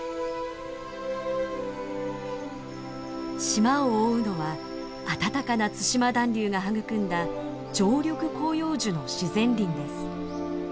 島を覆うのは暖かな対馬暖流が育んだ常緑広葉樹の自然林です。